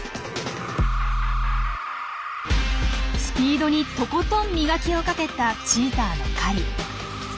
スピードにとことん磨きをかけたチーターの狩り。